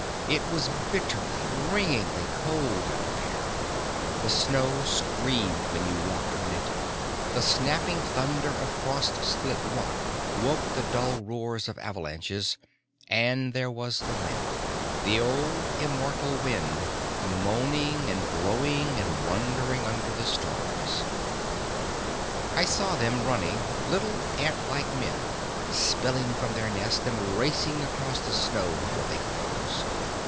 It was bitterly, ringingly cold out there; the snow screamed when you walked on it; the snapping thunder of frost split rock woke the dull roar of avalanches, and there was the wind, the old immortal wind, moaning and blowing and wandering under the stars. I saw them running, little antlike men spilling from their nest and racing across the snow before they froze.